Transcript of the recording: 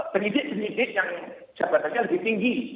penyidik penyidik yang jabatannya lebih tinggi